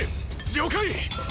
了解！！